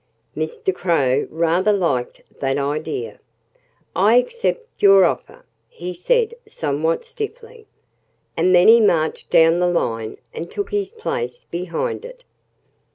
Mr. Crow rather liked that idea. "I accept your offer," he said somewhat stiffly. And then he marched down the line and took his place behind it.